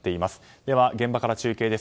では、現場から中継です。